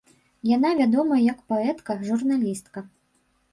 Яна вядомая як паэтка, журналістка.